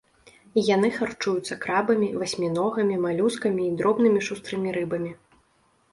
Яны харчуюцца крабамі, васьміногамі, малюскамі і дробнымі шустрымі рыбамі.